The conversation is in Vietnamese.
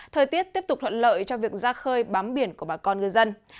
thời tiết tiếp tục thuận lợi cho việc ra khơi bám biển của bà con ngư dân